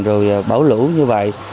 rồi bão lũ như vậy